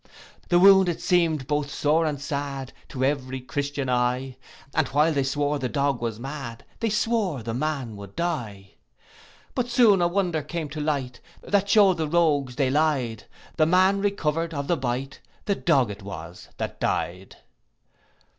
The wound it seem'd both sore and sad, To every Christian eye; And while they swore the dog was mad, They swore the man would die. But soon a wonder came to light, That shew'd the rogues they lied, The man recovered of the bite, The dog it was that dy'd.